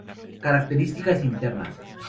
Características internas.